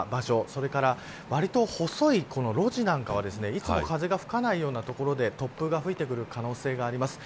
それからわりと細い路地なんかはいつも風が吹かないような所で突風が吹いてくる可能性があります。